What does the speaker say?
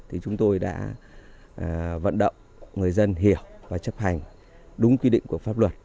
thì chúng tôi đã vận động người dân hiểu và chấp hành đúng quy định của pháp luật